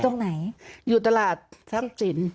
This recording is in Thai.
ตรงไหนอยู่ตลาดทรัพย์สิน